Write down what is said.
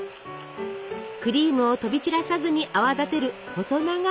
クリームを飛び散らさずに泡立てる細長い容器。